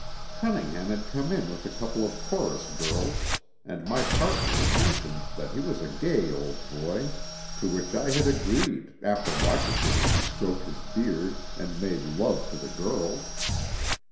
Cunningham had come in with a couple of chorus girls and my partner had mentioned that he was a gay old boy, to which I had agreed after watching him as he stroked his beard and made love to the girls.